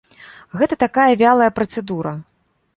Гэта такая вялая працэдура.